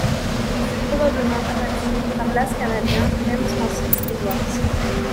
Il fut probablement abattu par l'as canadien James Francis Edwards.